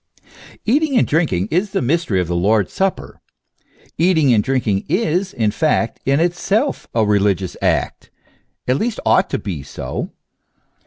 Eating and drinking is the mystery of the Lord's Supper; eating and drinking is in fact in itself a religious act ; at least, ought to he so.